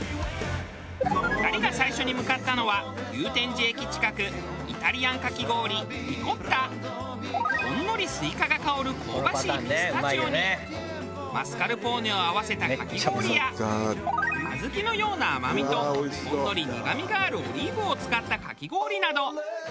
２人が最初に向かったのは祐天寺駅近くほんのりスイカが香る香ばしいピスタチオにマスカルポーネを合わせたかき氷や小豆のような甘みとほんのり苦みがあるオリーブを使ったかき氷など。